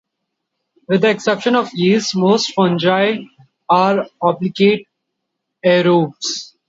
With the exception of the yeasts, most fungi are obligate aerobes.